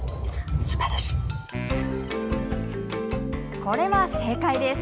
これは正解です。